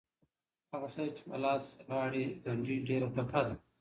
هغه ښځه چې په لاس غاړې ګنډي ډېره تکړه ده.